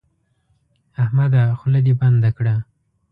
احمده خوله دې بنده کړه.